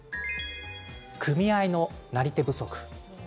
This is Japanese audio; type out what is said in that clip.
組合のなり手不足です。